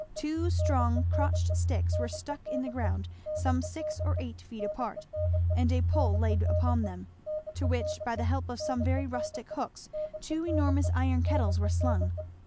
Two strong crotched sticks were stuck in the ground some six or eight feet apart and a pole laid upon them, to which by the help of some very rustic hooks two enormous iron kettles were slung.